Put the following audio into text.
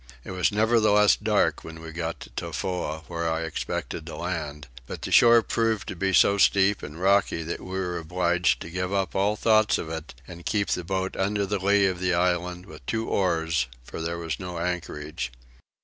It was nevertheless dark when we got to Tofoa where I expected to land, but the shore proved to be so steep and rocky that we were obliged to give up all thoughts of it and keep the boat under the lee of the island with two oars, for there was no anchorage.